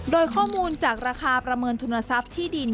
โดยข้อมูลจากราคาประเมินทุนทรัพย์ที่ดิน